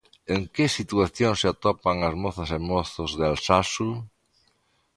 En que situación se atopan as mozas e mozos de Altsasu?